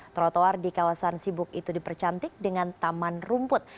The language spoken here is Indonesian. trotoar di kawasan sibuk itu dipercantik dengan taman rumput